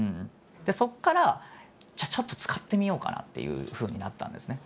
そこからじゃあちょっと使ってみようかなっていうふうになったんですね。